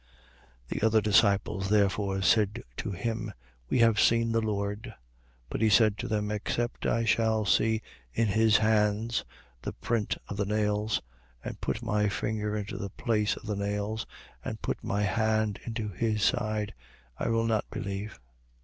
20:25. The other disciples therefore said to him: We have seen the Lord. But he said to them: Except I shall see in his hands the print of the nails and put my finger into the place of the nails and put my hand into his side, I will not believe.